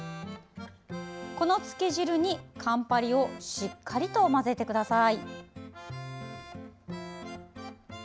このつけ汁に、カンパリをしっかりと混ぜてください。